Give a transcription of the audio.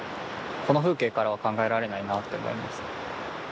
この風景からは考えられないなって思いますね。